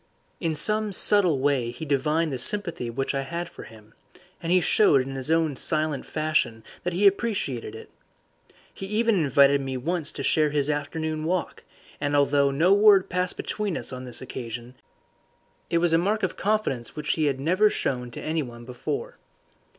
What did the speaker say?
In some subtle way he divined the sympathy which I had for him, and he showed in his own silent fashion that he appreciated it. He even invited me once to share his afternoon walk, and although no word passed between us on this occasion, it was a mark of confidence which he had never shown to anyone before.